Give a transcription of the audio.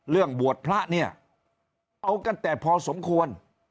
เรื่องบวชพระเนี่ยเอากันแต่พอสมควร